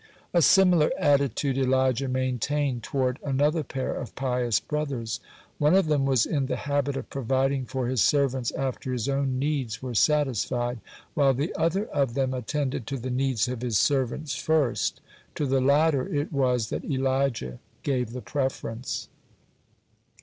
A similar attitude Elijah maintained toward another pair of pious brothers. One of them was in the habit of providing for his servants after his own needs were satisfied, while the other of them attended to the needs of his servants first. To the latter it was that Elijah gave the preference.